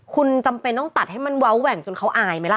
คุณจำเป็นต้องตัดให้มันเว้าแหว่งจนเขาอายไหมล่ะ